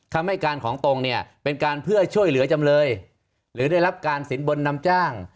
คำให้การของตรงเนี่ยเป็นการเพื่อช่วยเหลือจำเลยหรือได้รับการสินบนนำจ้าง